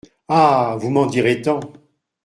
Ah ! vous m’en direz tant !